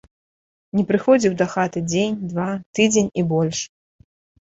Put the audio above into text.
Не прыходзіў дахаты дзень, два, тыдзень і больш.